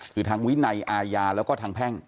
คือทางวินัยอาญาแล้วก็ทางแพ่ง